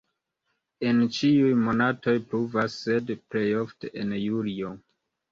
En ĉiuj monatoj pluvas, sed plej ofte en julio.